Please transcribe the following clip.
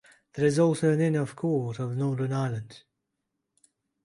There is also an Inn of Court of Northern Ireland.